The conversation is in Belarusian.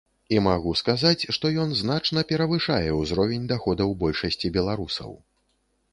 І магу сказаць, што ён значна перавышае ўзровень даходаў большасці беларусаў.